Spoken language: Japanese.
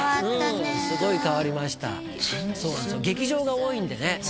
うんすごい変わりました劇場が多いんでね